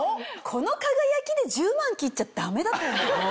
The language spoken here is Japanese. この輝きで１０万切っちゃダメだと思う。